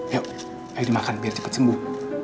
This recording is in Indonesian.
ayo ayo dimakan biar cepat sembuh